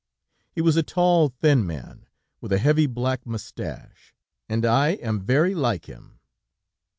He was a tall, thin man, with a heavy black moustache, and I am very like him.